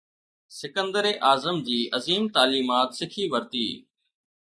سڪندر اعظم جي عظيم تعليمات سکي ورتي